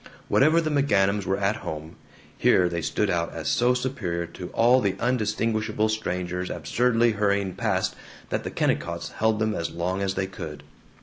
Whatever the McGanums were at home, here they stood out as so superior to all the undistinguishable strangers absurdly hurrying past that the Kennicotts held them as long as they could.